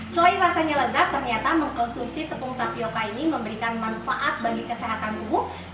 selain rasanya lezat ternyata mengkonsumsi tepung tapioca ini memberikan manfaat bagi kesehatan tubuh